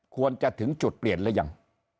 ควรจะถึงจุดเปลี่ยนหรือยัง